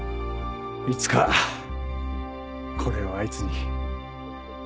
いつかこれをあいつに。